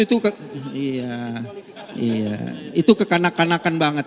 itu kekanakan kanakan banget